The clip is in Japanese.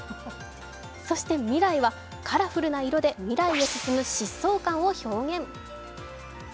そして未来はカラフルな色で未来を進む疾走感を表現。